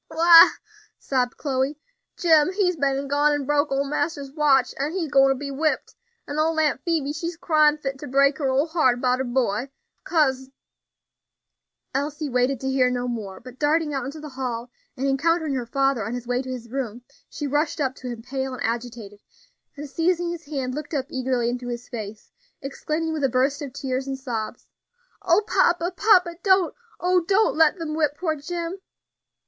"Why," sobbed Chloe, "Jim, he's been an' gone an' broke ole master's watch, an' he's gwine be whipped, an' old Aunt Phoebe she's cryin' fit to break her ole heart 'bout her boy, kase " Elsie waited to hear no more, but darting out into the hall, and encountering her father on his way to his room, she rushed up to him, pale and agitated, and seizing his hand, looked up eagerly into his face, exclaiming with a burst of tears and sobs, "O papa, papa! don't, oh! don't let them whip poor Jim."